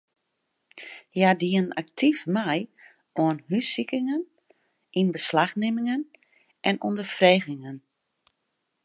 Hja diene aktyf mei oan hússikingen, ynbeslachnimmingen en ûnderfregingen.